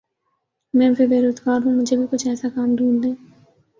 میں بھی بے روزگار ہوں مجھے بھی کچھ ایسا کام ڈھونڈ دیں